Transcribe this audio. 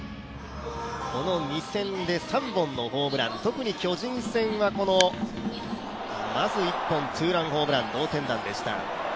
この２戦で３本のホームラン、特に巨人戦は、まず１本、ツーランホームラン、同点弾でした。